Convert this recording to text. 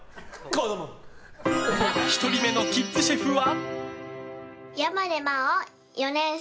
１人のキッズシェフは。